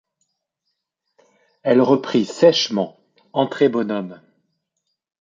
Elle reprit sèchement: — Entrez, bonhomme.